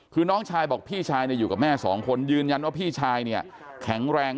คือน้องชายบอกพี่ชายอยู่กับแม่สองคนยืนยันว่าพี่ชายเนี่ยแข็งแรง